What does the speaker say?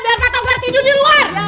biar pak togar tidur di luar